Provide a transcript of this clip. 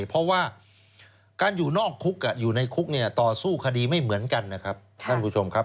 เพราะว่าการอยู่นอกคุกกับอยู่ในคุกต่อสู้คดีไม่เหมือนกันนะครับ